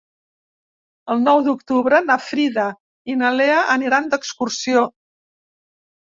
El nou d'octubre na Frida i na Lea aniran d'excursió.